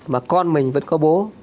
và con mình vẫn có bố